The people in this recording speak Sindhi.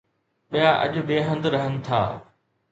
ٻيا اڄ ٻئي هنڌ رهن ٿا